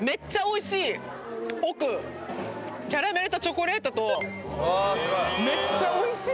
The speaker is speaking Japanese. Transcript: キャラメルとチョコレートとめっちゃおいしい